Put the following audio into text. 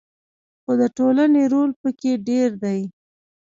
خو د ټولنې رول پکې ډیر دی.